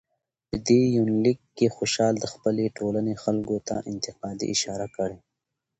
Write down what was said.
په دې يونليک کې خوشحال د خپلې ټولنې خلکو ته انتقادي اشاره کړى